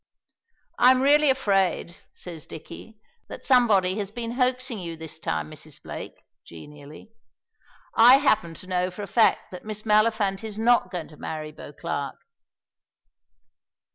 "I'm really afraid," says Dicky, "that somebody has been hoaxing you this time, Mrs. Blake;" genially. "I happen to know for a fact that Miss Maliphant is not going to marry Beauclerk."